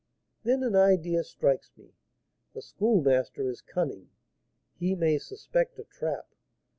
Then an idea strikes me: the Schoolmaster is cunning, he may suspect a trap.